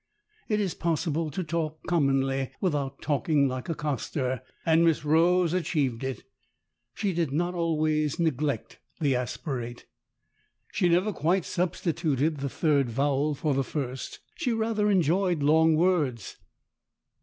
It is possible to talk commonly without talking like a K 145 146 STORIES IN GREY coster, and Miss Rose achieved it. She did not always neglect the aspirate. She never quite substituted the third vowel for the first. She rather enjoyed long words.